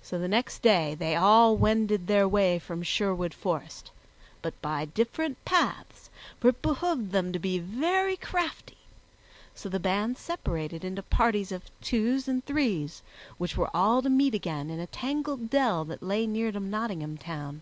So the next day they all wended their way from Sherwood Forest, but by different paths, for it behooved them to be very crafty; so the band separated into parties of twos and threes, which were all to meet again in a tangled dell that lay near to Nottingham Town.